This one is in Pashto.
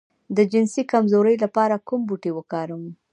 د جنسي کمزوری لپاره کوم بوټی وکاروم؟